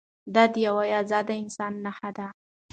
دا د یوه ازاد انسان نښه ده.